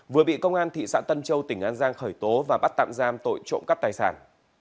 vừa bị công an thị xã tân châu tỉnh an giang khởi tố và bắt tạm giam tội trộm cắp tài sản